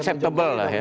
acceptable lah ya